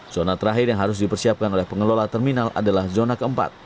zona terakhir yang harus dipersiapkan oleh pengelola terminal adalah zona keempat